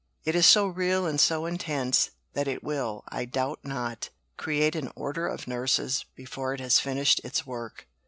It is so real and so intense, that it will, I doubt not, create an Order of Nurses before it has finished its work."